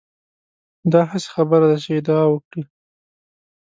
دا هسې خبره ده چې ادعا وکړي.